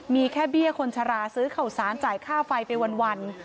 มีแค่เบี้ยคนชราซื้อข่าวสารจ่ายค่าไฟไปวัน